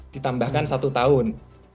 ditambahkan satu tahun